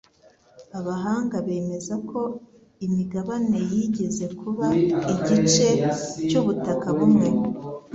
Abahanga bemeza ko imigabane yigeze kuba igice cyubutaka bumwe